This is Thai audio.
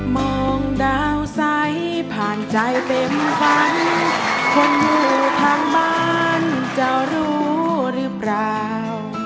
มองดาวใสผ่านใจเต็มไปคนอยู่ข้างบ้านจะรู้หรือเปล่า